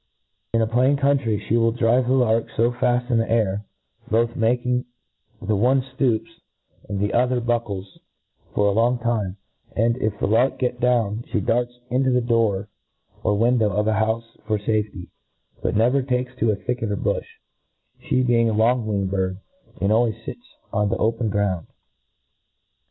In a plain country, flie will drive the lark fo fell in the air, both ma king, the one (loops, and the other buckles, for a long time j and, if the lark get down, fhe darts into the door or window of a houfc for fafety ; but never takes to a thicket or bufli, flie being a long winged bird, and always fits on the open ground.